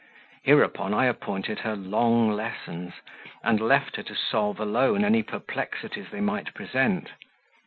Hereupon I appointed her long lessons, and left her to solve alone any perplexities they might present.